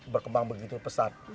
perkembangan itu sangat besar